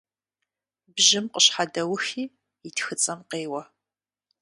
Бжьым къыщхьэдэухи, и тхыцӀэм къеуэ.